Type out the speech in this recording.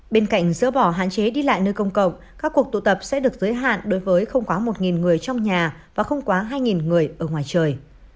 bên cạnh dỡ bỏ hạn chế đi lại nơi công cộng các cuộc tụ tập sẽ được giới hạn đối với không quá một người trong nhà và không quá hai người ở ngoài trời